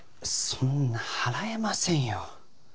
そんな払えませんよ